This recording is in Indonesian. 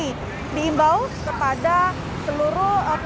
ini diimbau kepada seluruh pihak